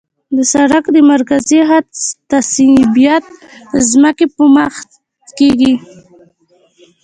د سړک د مرکزي خط تثبیت د ځمکې پر مخ کیږي